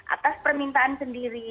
atas permintaan sendiri